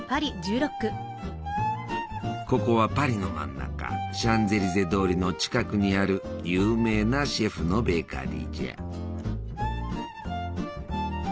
ここはパリの真ん中シャンゼリゼ通りの近くにある有名なシェフのベーカリーじゃ。